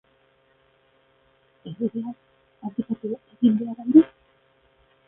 Erregeak abdikatu egin behar al du?